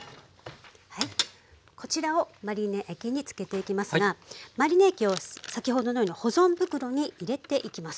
こちらをマリネ液に漬けていきますがマリネ液を先ほどのように保存袋に入れていきます。